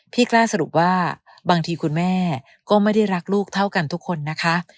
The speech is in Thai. กล้าสรุปว่าบางทีคุณแม่ก็ไม่ได้รักลูกเท่ากันทุกคนนะคะ